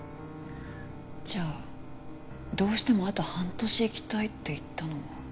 じゃあどうしてもあと半年生きたいって言ったのは